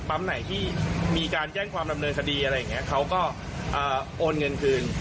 ไหนที่มีการแจ้งความดำเนินคดีอะไรอย่างนี้เขาก็โอนเงินคืน